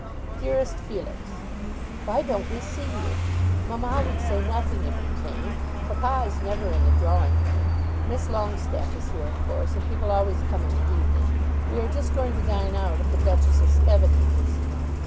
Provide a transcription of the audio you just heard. DEAREST FELIX, Why don't we see you? Mamma would say nothing if you came. Papa is never in the drawing room. Miss Longestaffe is here of course, and people always come in in the evening. We are just going to dine out at the Duchess of Stevenage's.